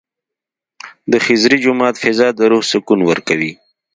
د خضري جومات فضا د روح سکون ورکوي.